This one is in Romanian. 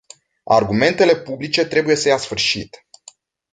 Argumentele publice trebuie să ia sfârșit.